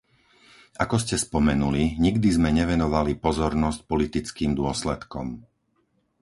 Ako ste spomenuli, nikdy sme nevenovali pozornosť politickým dôsledkom.